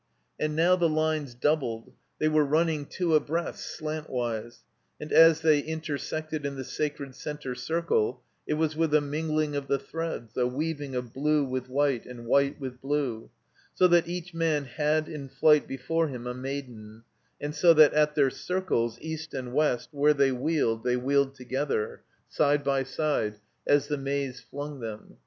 And now the lines doubled ; they were running two abreast, slantwise; and as they intersected in the sacred center circle it was with a mingling of the threads, a weaving of blue with white, and white with blue; so that each man had in flight before him a maiden, and so that at their circles, east and west, where they wheeled they wheeled together, side by side, as the Maze flung them.